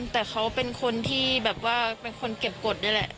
แต่เขาเป็นคนที่แบบว่าเป็นคนเก็บกฎนี่แหละ